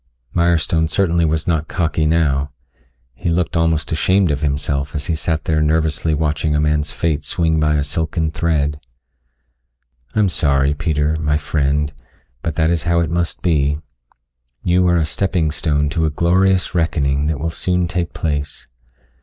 Mirestone certainly was not cocky now. He looked almost ashamed of himself as he sat there nervously watching a man's fate swing by a silken thread. "I'm sorry, Peter, my friend, but that is how it must be. You are a stepping stone to a glorious reckoning that will soon take place.